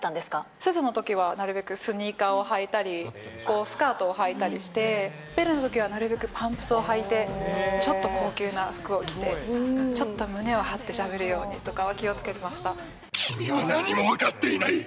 すずのときはなるべくスニーカーを履いたり、スカートをはいたりして、ベルのときはなるべくパンプスを履いて、ちょっと高級な服を着て、ちょっと胸を張ってしゃべるような、君は何も分かっていない。